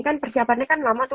kan persiapannya kan lama tuh